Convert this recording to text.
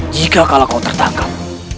jika kalau kau tertangkap